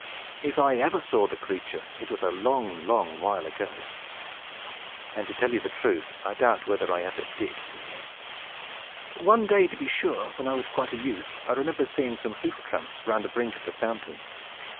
If I ever saw the creature, it was a long, long while ago; and, to tell you the truth, I doubt whether I ever did see him. One day, to be sure, when I was quite a youth, I remember seeing some hoof tramps round about the brink of the fountain.